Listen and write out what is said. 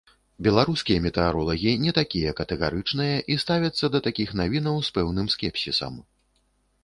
Беларускія метэаролагі не такія катэгарычныя, і ставяцца да такіх навінаў з пэўным скепсісам.